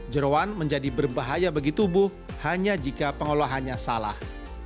jerawan menjadi berbahaya bagi tubuh hanya jika pengolahannya salah